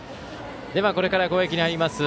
これから攻撃に入ります